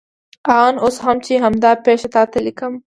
آن اوس هم چې همدا پېښه تا ته لیکم.